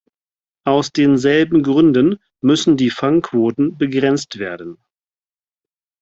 Aus denselben Gründen müssen die Fangquoten begrenzt werden.